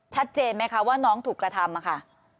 ชัดเจนไหมคะว่าน้องถูกกระทำค่ะ